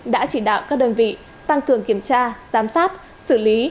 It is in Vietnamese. đã chỉ đạo các đơn vị tăng cường kiểm tra giám sát xử lý